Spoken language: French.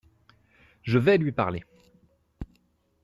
Je vais lui parler !